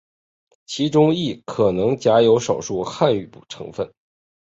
其中亦可能夹有少数汉语成分。